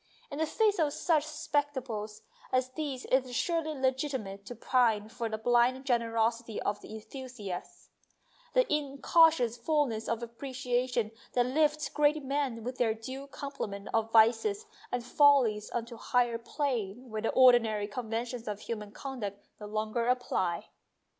In the face of such spectacles as these it is surely legitimate to pine for the blind generosity of the enthusiast, that in cautious fullness of appreciation that lifts great men with their due complement of vices and follies on to a higher plane where the ordinary conventions of human conduct no longer apply.